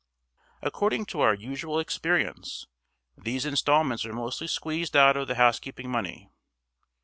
According to our usual experience, these installments are mostly squeezed out of the housekeeping money.